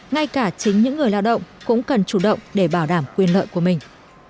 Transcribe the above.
ngay cả chính những người lao động cũng cần chủ động để bảo đảm quyền lợi của mình